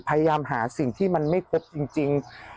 พยายามหาสิ่งที่มันไม่พบจริง